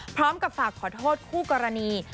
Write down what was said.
พร้อมกับฝากขอโทษคู่กรณี